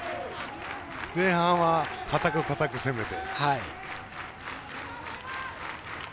前半は固く固く攻めて。